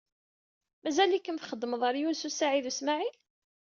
Mazal-ikem txeddmed ɣer Yunes u Saɛid u Smaɛil?